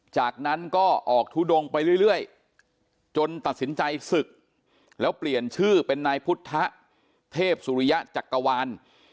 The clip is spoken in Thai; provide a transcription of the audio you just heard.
จากนั้นก็ออกทุดงไปเรื่อยจนตัดสินใจศึกแล้วเปลี่ยนชื่อเป็นนายพุทธเทพสุริยะจักรวาล